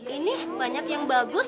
ini banyak yang bagus